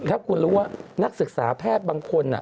ถ้าคุณรู้ว่านักศึกษาแพทย์บางคน